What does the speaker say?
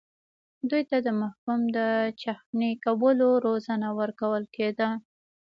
دوی ته د محکوم د چخڼي کولو روزنه ورکول کېده.